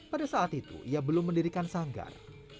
pada saat itu ia belum mendirikan sanggar